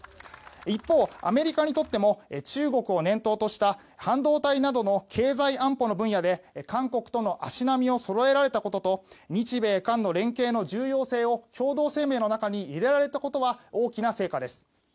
一方、アメリカにとっても中国を念頭とした半導体などの経済安保の分野で韓国との足並みをそろえられたことと日米韓の連携の重要性を共同声明の中に入れられたことは大きな成果です。